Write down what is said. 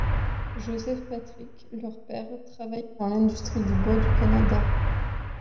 Joseph Patrick, leur père, travaille dans l'industrie du bois du Canada.